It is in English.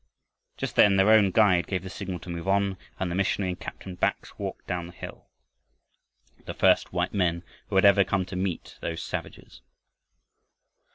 Just then their own guide gave the signal to move on, and the missionary and Captain Bax walked down the hill the first white men who had ever come out to meet those savages.